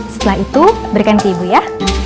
setelah itu berikan ke ibu ya